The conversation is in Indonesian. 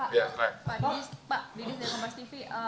pak pak didis dari komerstv